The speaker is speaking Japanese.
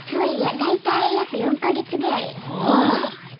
大体約４か月ぐらい全部で。